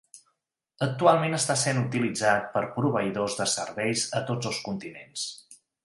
Actualment està sent utilitzat per proveïdors de serveis a tots els continents.